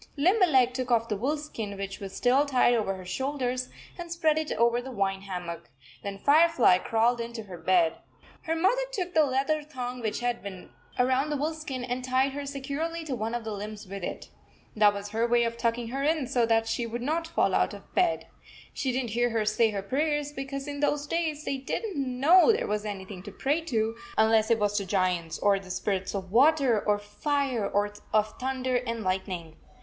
Limberleg took off the wolf skin which was still tied over her shoulders, and spread it over the vine hammock. Then Firefly crawled into her bed. Her mother took the leather thong which had been around the wolf skin and tied her securely to one of 67 the limbs with it. That was her way of tucking her in so that she would not fall out of bed. She didn t hear her say her prayers, because in those days they did n t know there was anything to pray to, unless it was to giants, or the spirits of water or of fire, or of thunder and lightning.